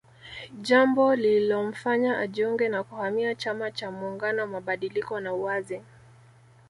Jambo lililomfanya ajiunge na kuhamia chama cha muungano mabadiliko na uwazi